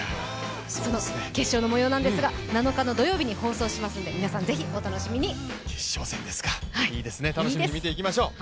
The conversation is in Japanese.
その決勝の模様なんですが７日の土曜日に放送しますので楽しみに見ていきましょう。